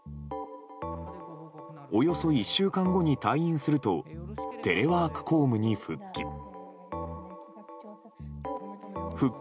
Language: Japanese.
およそ１週間後に退院するとテレワーク公務に復帰。